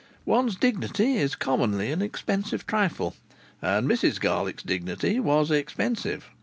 One's dignity is commonly an expensive trifle, and Mrs Garlick's dignity was expensive.